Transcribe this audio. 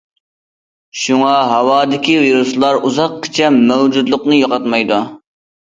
شۇڭا ھاۋادىكى ۋىرۇسلار ئۇزاققىچە مەۋجۇتلۇقىنى يوقاتمايدۇ.